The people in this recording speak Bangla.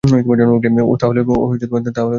ওহ, তাহলে একটু বসা যাক, হাহ?